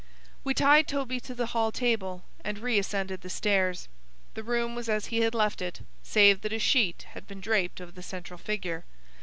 We tied Toby to the hall table, and re ascended the stairs. The room was as he had left it, save that a sheet had been draped over the central figure.